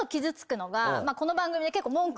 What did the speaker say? この番組で結構。